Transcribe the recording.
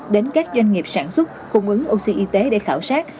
đến các doanh nghiệp sản xuất cung ứng oxy y tế để khảo sát